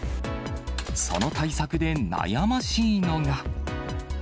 その対策で悩ましいのが。